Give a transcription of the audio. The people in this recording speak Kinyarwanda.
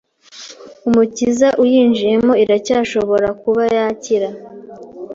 Umukiza uyinjiyemo iracyashobora kuba yakira